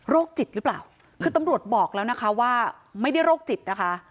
จิตหรือเปล่าคือตำรวจบอกแล้วนะคะว่าไม่ได้โรคจิตนะคะ